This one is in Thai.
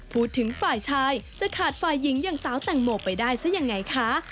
ฝ่ายชายจะขาดฝ่ายหญิงอย่างสาวแตงโมไปได้ซะยังไงคะ